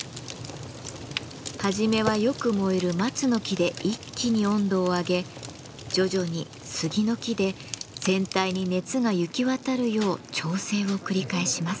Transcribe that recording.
はじめはよく燃える松の木で一気に温度を上げ徐々に杉の木で全体に熱が行き渡るよう調整を繰り返します。